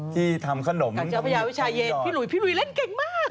ที่ทำขนมกับเจ้าพญาวิชาเย็นพี่หลุยเล่นเก่งมาก